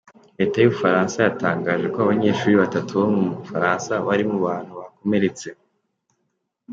Leta y'Ubufaransa yatangaje ko abanyeshuri batatu bo mu Bufaransa bari mu bantu bakomeretse.